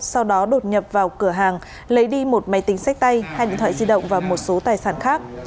sau đó đột nhập vào cửa hàng lấy đi một máy tính sách tay hai điện thoại di động và một số tài sản khác